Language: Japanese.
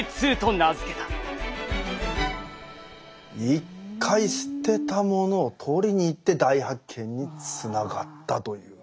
一回捨てたものを取りに行って大発見につながったという。